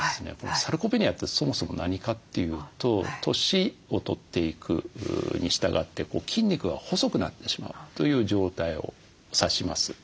サルコペニアってそもそも何かというと年を取っていくにしたがって筋肉が細くなってしまうという状態を指します。